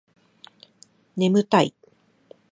眠たい